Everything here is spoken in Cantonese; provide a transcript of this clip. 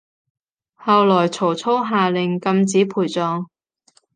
後來曹操下令禁止陪葬